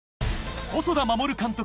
細田守監督